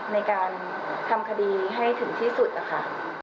ในการทำคดีให้ถึงที่สุดนะคะ